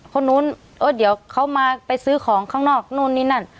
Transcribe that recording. คนนู้นเออเดี๋ยวเขามาไปซื้อของข้างนอกนู่นนี่นั่น